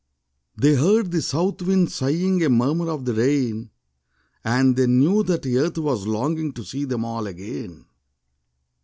They heard the South wind sighing A murmur of the rain; And they knew that Earth was longing To see them all again.